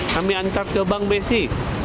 kami antar ke bank bsi